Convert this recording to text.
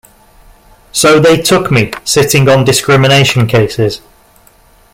So they took me, sitting on discrimination cases.